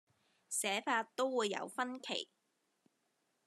寫法都會有分歧